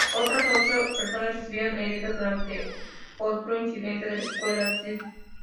Otras ocho personas recibieron heridas durante otro incidente en la escuela de St.